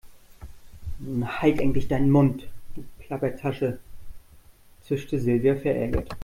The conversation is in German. Nun halt endlich deinen Mund, du Plappertasche, zischte Silvia verärgert.